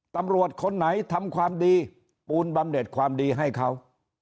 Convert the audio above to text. ตำรวจคนไหนทำความดีปูนบำเน็ตความดีให้เขา